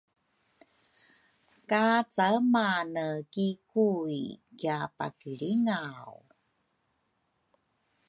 ka caemane ki Kui kiapakilringaw.